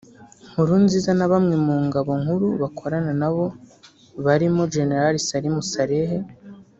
Nkurunziza na bamwe mu ngabo nkuru bakorana nabo barimo General Salim Saleh